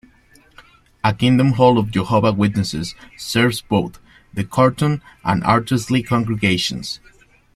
A Kingdom Hall of Jehovah's Witnesses serves both the Carlton and Athersley congregations.